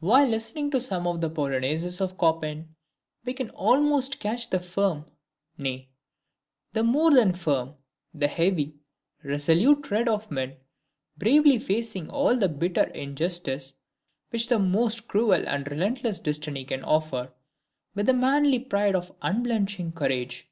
While listening to some of the POLONAISES of Chopin, we can almost catch the firm, nay, the more than firm, the heavy, resolute tread of men bravely facing all the bitter injustice which the most cruel and relentless destiny can offer, with the manly pride of unblenching courage.